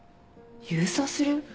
郵送する？